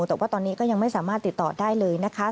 แต่ว่าตอนนี้ก็ยังไม่สามารถติดต่อได้เลยนะคะ